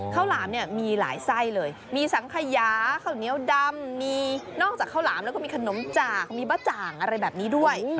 หลามเนี่ยมีหลายไส้เลยมีสังขยาข้าวเหนียวดำมีนอกจากข้าวหลามแล้วก็มีขนมจากมีบะจ่างอะไรแบบนี้ด้วย